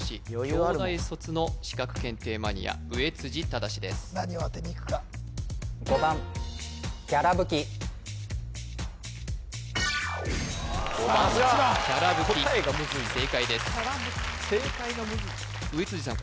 京大卒の資格・検定マニア上辻匡司です何をあてにいくか５番きゃらぶき正解です上辻さん